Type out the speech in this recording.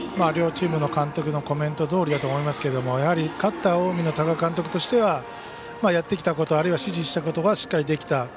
両チームの監督のコメントどおりだと思いますけどやはり、勝った近江の多賀監督としてはやってきたことあるいは指示したことがしっかりできた。